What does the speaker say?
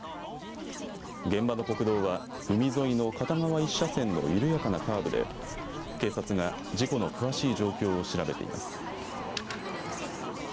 現場の国道は海沿いの片側１車線の緩やかなカーブで警察が事故の詳しい状況を調べています。